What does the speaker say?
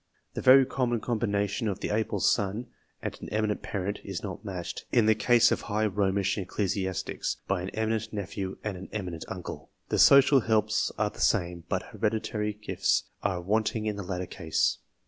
The very common combination of an able son and an eminent parent, is not matched, in the case of high Romish ecclesiastics, by an eminent nephew and an eminent uncle. The social helps are the same, but hereditary gifts are wanting in the latter case.